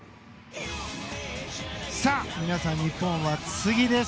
さあ、皆さん日本は次です。